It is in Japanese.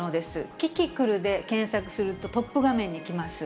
キキクルで検索すると、トップ画面に来ます。